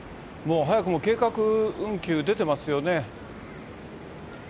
早くも計画運休出てますよね。